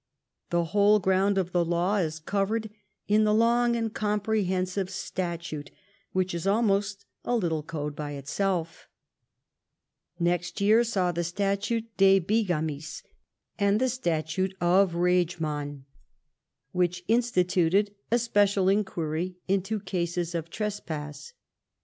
The whole ground of the law is covered in the long and comprehensive statute, which is almost a little code by itself. Next year saw the Statute de Bigamis and the VII EDWARD'S LEGISLATION 125 Statute of Rageman, which instituted a special inquiry into cases of trespass.